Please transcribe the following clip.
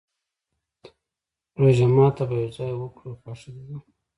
روژه ماته به يو ځای وکرو، خوښه دې ده؟